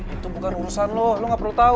itu bukan urusan lo gak perlu tahu